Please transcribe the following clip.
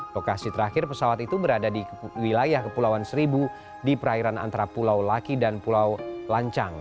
lokasi terakhir pesawat itu berada di wilayah kepulauan seribu di perairan antara pulau laki dan pulau lancang